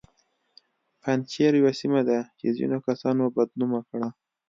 پنجشیر یوه سیمه ده چې ځینو کسانو بد نومه کړه